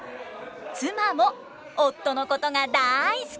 妻も夫のことがだい好き！